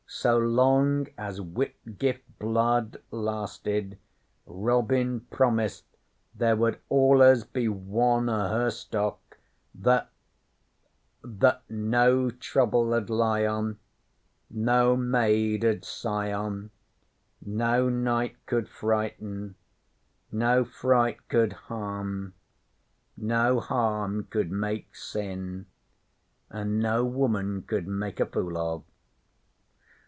'So long as Whitgift blood lasted, Robin promised there would allers be one o' her stock that that no Trouble 'ud lie on, no Maid 'ud sigh on, no Night could frighten, no Fright could harm, no Harm could make sin, an' no Woman could make a fool of.'